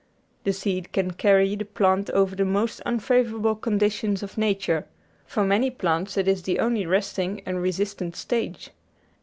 The seed can carry the plant over the most unfavourable conditions of nature; for many plants it is the only resting and resistant stage.